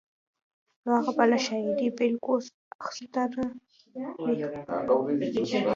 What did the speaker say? نو هغه به له شعري بېلګو اخیستنه وي.